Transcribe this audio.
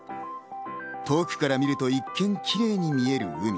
遠くから見ると一見キレイに見える海。